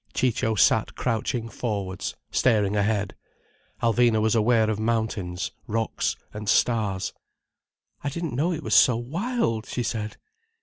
Ciccio sat crouching forwards, staring ahead. Alvina was aware of mountains, rocks, and stars. "I didn't know it was so wild!" she said.